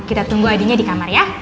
kita tunggu adinya di kamar ya